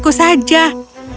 cukup hanya untuk nenekku saja